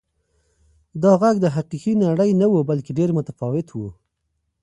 دا غږ د حقیقي نړۍ نه و بلکې ډېر متفاوت و.